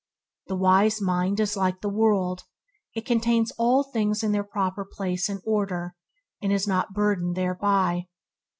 The wise mind is like the world, it contains all things in their proper place and order, and is not burdened thereby.